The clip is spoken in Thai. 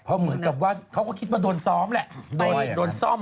เพราะเหมือนกับว่าเขาก็คิดว่าโดนซ้อมแหละโดนซ่อม